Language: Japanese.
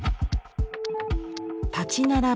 立ち並ぶ